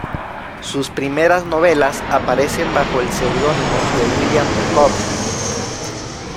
Sus primeras novelas aparecen bajo el seudónimo de William Cobb.